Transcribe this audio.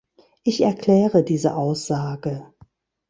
Ich erkläre diese Aussage.